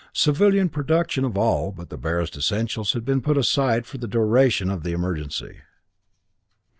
Civilian production of all but the barest essentials had been put aside for the duration of the emergency.